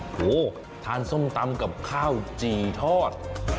โหทานส้มตำกับข้าวจี่ทอด